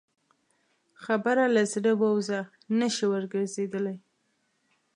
خبره له زړه ووځه، نه شې ورګرځېدلی.